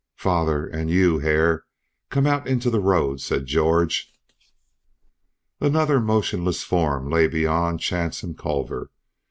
"Father, and you, Hare, come out into the road," said George. Another motionless form lay beyond Chance and Culver.